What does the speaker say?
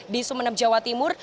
di sumeneb jawa timur